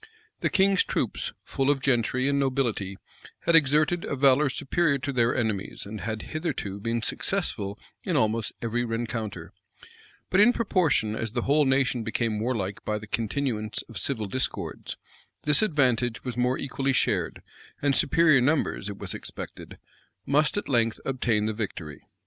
The king's troops, full of gentry and nobility, had exerted a valor superior to their enemies, and had hitherto been successful in almost every rencounter; but in proportion as the whole nation became warlike by the continuance of civil discords, this advantage was more equally shared; and superior numbers, it was expected, must at length obtain the victory..